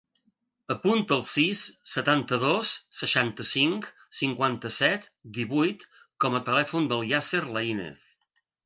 Apunta el sis, setanta-dos, seixanta-cinc, cinquanta-set, divuit com a telèfon del Yasser Lainez.